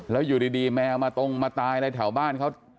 แล้วอยู่ดีแมวมาตรงมาตายอะไรแถวบ้านเขา